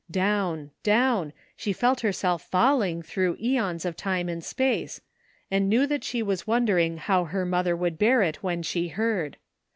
Down, down, she felt herself falling, through aeons of time and space, and knew tha/t she was wondering how her mother would bear it when she heard.